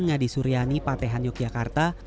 ngadi suryani patehan yogyakarta